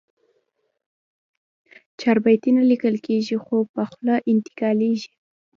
چاربیتې نه لیکل کېږي، خوله په خوله انتقالېږي.